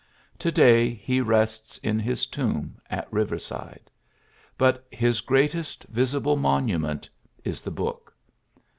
To day he rests in his tomb at Riverside. But his greatest visible monument is the book.